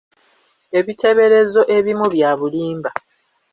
Ebiteeberezo ebimu bya bulimba.